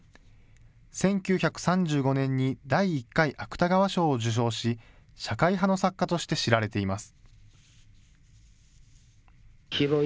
１９３５年に第１回芥川賞を受賞し、社会派の作家として知られています。